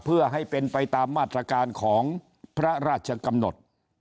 เพื่อให้เป็นไปตามมาตรการของพระราชกำหนด